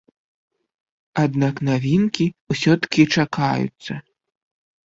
Аднак навінкі ўсё-ткі чакаюцца.